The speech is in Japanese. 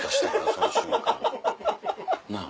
その瞬間なっ。